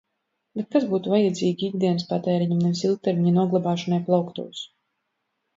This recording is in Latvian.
Bet kas būtu vajadzīgi ikdienas patēriņam, nevis ilgtermiņa noglabāšanai plauktos.